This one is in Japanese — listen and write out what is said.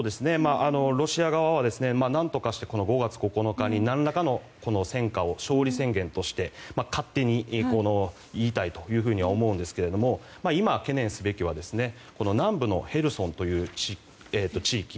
ロシア側は何とかして５月９日に何らかの戦果を勝利宣言として勝手に言いたいというふうには思うんですけど今、懸念すべきは南部のヘルソンという地域。